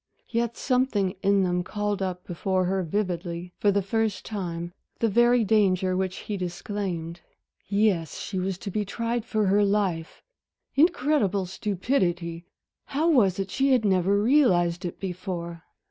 Yet something in them called up before her vividly for the first time the very danger which he disclaimed. Yes, she was to be tried for her life! Incredible stupidity! how was it she had never realized it before?